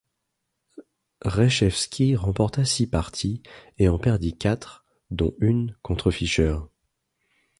Reshevsky remporta six parties et en perdit quatre dont une contre Fischer.